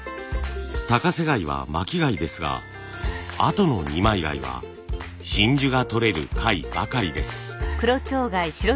高瀬貝は巻き貝ですがあとの二枚貝は真珠がとれる貝ばかりです。